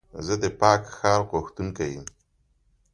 زه د پاک ښار غوښتونکی یم.